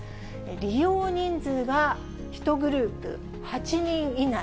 利用人数が１グループ８人以内。